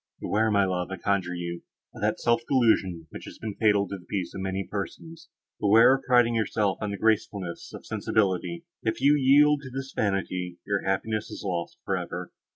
Beware, my love, I conjure you, of that self delusion, which has been fatal to the peace of so many persons; beware of priding yourself on the gracefulness of sensibility; if you yield to this vanity, your happiness is lost for ever.